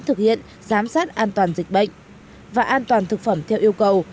thực hiện giám sát an toàn dịch bệnh và an toàn thực phẩm theo yêu cầu